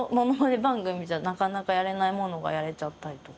番組じゃなかなかやれないものがやれちゃったりとか。